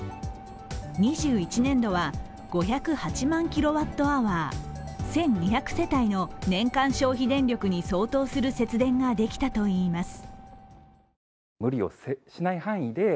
２１年度は５０８万キロワットアワー１２００世帯の年間消費電力に相当する節電ができたといいます。